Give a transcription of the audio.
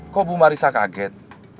kok bu marissa kaget